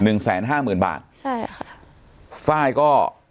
หนึ่งแสนห้าหมื่นบาทไฟล์ก็